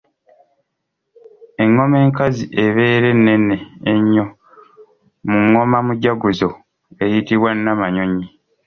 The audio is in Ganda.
Engoma enkazi ebeera ennene ennyo mu ngoma mujaguzo eyitibwa Nnamanyonyi.